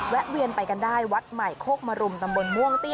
แวนไปกันได้วัดใหม่โคกมรุมตำบลม่วงเตี้ย